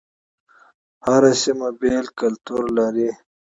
هر سيمه بیل کلتور لري